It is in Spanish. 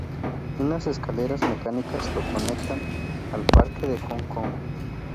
Unas escaleras mecánicas lo conectan al Parque de Hong Kong.